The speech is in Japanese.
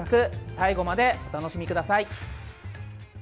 最後までお楽しみください。